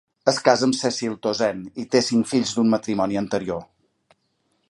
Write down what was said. Es casa amb Cecile Tauzin i té cinc fills d'un matrimoni anterior.